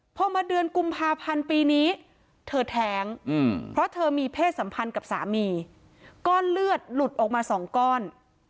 พอมาเดือนกุมภาพันธ์ปีนี้เธอแท้งเพราะเธอมีเพศสัมพันธ์กับสามีก้อนเลือดหลุดออกมาสองก้อน